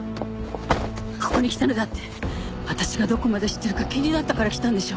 ここに来たのだって私がどこまで知ってるか気になったから来たんでしょ？